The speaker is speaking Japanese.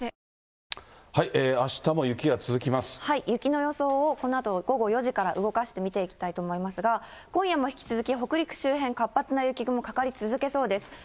雪の予想をこのあと午後４時から動かして見ていきたいと思いますが、今夜も引き続き、北陸周辺、活発な雪雲かかり続けそうです。